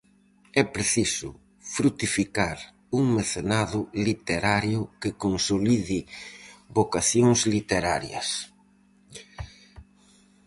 É preciso frutificar un mecenado literario que consolide vocacións literarias.